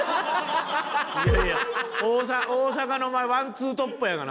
いやいや大阪のワンツートップやがな。